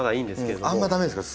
あんま駄目ですか？